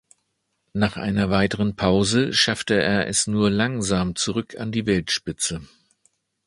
Nach einer weiteren Pause schaffte er es nur langsam zurück an die Weltspitze.